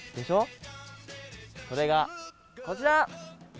それがこちら！